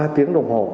ba tiếng đồng hồ